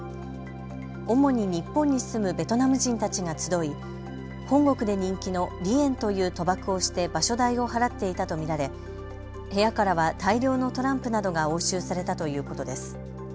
主に日本に住むベトナム人たちが集い本国で人気のリエンという賭博をして場所代を払っていたと見られ部屋からは大量のトランプなどが押収されたということです。